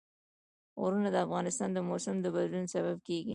غرونه د افغانستان د موسم د بدلون سبب کېږي.